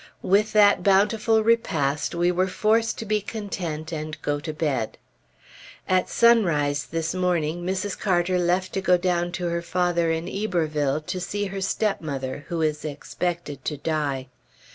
With that bountiful repast we were forced to be content and go to bed. At sunrise this morning, Mrs. Carter left to go down to her father in Iberville, to see her stepmother who is expected to die.